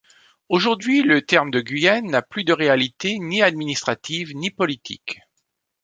Aujourd'hui, le terme de Guyenne n'a plus de réalité ni administrative, ni politique.